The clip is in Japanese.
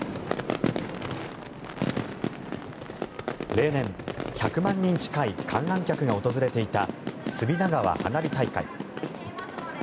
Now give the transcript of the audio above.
例年、１００万人近い観覧客が訪れていた隅田川花火大会。